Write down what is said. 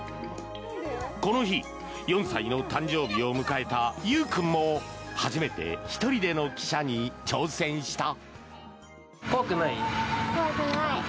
この日、４歳の誕生日を迎えたゆう君も初めて１人での汽車に挑戦した。